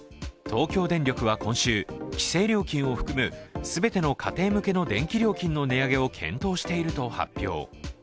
東京電力は今週、規制料金を含む全ての家庭向けの電気料金の値上げを検討していると発表。